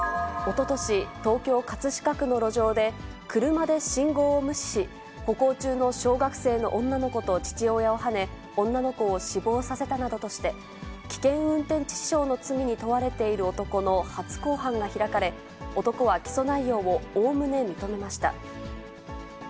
おととし、東京・葛飾区の路上で、車で信号を無視し、歩行中の小学生の女の子と父親をはね、女の子を死亡させたなどとして、危険運転致死傷の罪に問われている男の初公判が開かれ、男は起訴内容をおおむね認めました。